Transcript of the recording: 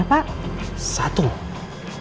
ngumpulin data datanya pak